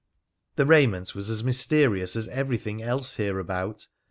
The raiment was as mysterious as everything else here about.